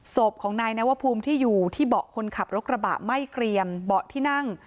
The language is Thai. ศพของนายนวภูมิที่อยู่ที่เบาะคนขับรถกระบะไม่เกรียมเบาะที่นั่ง